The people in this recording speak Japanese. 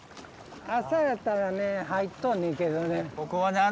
朝やったらね入っとんねんけどね。